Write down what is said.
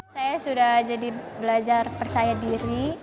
saya sudah jadi belajar percaya diri